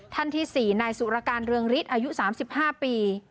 ท่านที่๔นายสุรการเรืองฤทธิ์อายุ๓๕ปี